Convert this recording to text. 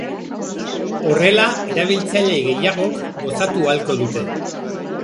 Horrela, erabiltzaile gehiagok gozatu ahalko dute.